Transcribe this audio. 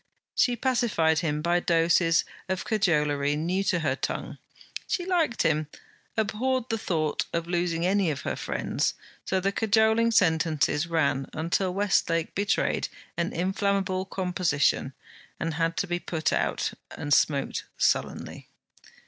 She pacified him by doses of cajolery new to her tongue. She liked him, abhorred the thought of losing any of her friends, so the cajoling sentences ran until Westlake betrayed an inflammable composition, and had to be put out, and smoked sullenly.